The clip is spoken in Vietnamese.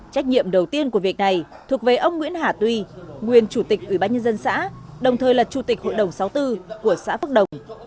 trách nhiệm đầu tiên của việc này thuộc về ông nguyễn hà tuy nguyên chủ tịch ủy ban nhân dân xã đồng thời là chủ tịch hội đồng sáu mươi bốn của xã phước đồng